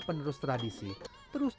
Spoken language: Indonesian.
penerus tradisi terus